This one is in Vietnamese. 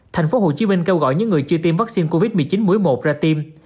thành phố hồ chí minh kêu gọi những người chưa tiêm vaccine covid một mươi chín mũi một ra tiêm